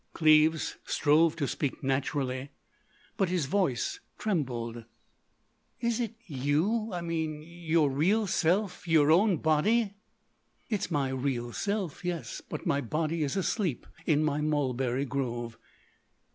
Cleves strove to speak naturally, but his voice trembled. "Is it you—I mean your real self—your own body?" "It's my real self. Yes. But my body is asleep in my mulberry grove."